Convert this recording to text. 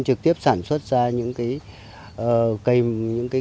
trực tiếp sản xuất ra những cái